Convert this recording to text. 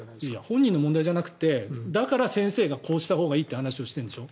本人の問題じゃなくてだから先生がこうしたらいいって話をしてるんでしょ。